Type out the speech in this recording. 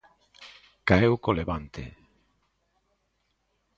Caeu co Levante.